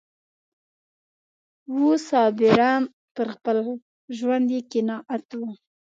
وو صابره پر خپل ژوند یې قناعت و